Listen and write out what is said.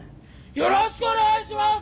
よろしくお願いします！